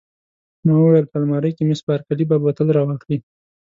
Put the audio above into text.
ما وویل: په المارۍ کې، مس بارکلي به بوتل را واخلي.